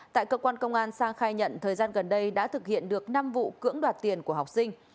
tại cơ quan công an sang khai nhận thời gian gần đây đã thực hiện được năm vụ cưỡng đoạt tiền của học sinh